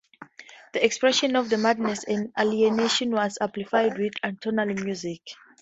The expression of madness and alienation was amplified with atonal music.